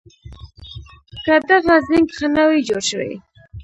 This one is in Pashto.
که دغه زېنک ښه نه وي جوړ شوي